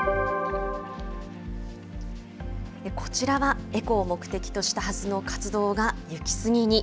こちらはエコを目的としたはずの活動が行き過ぎに。